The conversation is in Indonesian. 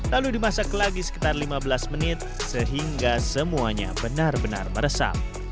lalu dimasak lagi sekitar lima belas menit sehingga semuanya benar benar meresap